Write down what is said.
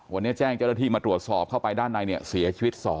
วันนี้แจ้งเจ้าหน้าที่มาตรวจสอบเข้าไปด้านในเนี่ยเสียชีวิต๒